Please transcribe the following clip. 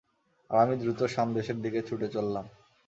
আর আমি দ্রুত শাম দেশের দিকে ছুটে চললাম।